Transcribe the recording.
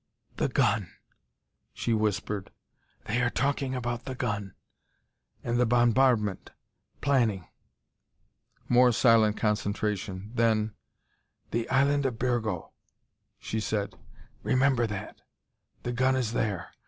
"The gun," she whispered; "they are talking about the gun ... and the bombardment ... planning...." More silent concentration. Then: "The island of Bergo," she said, " remember that! The gun is there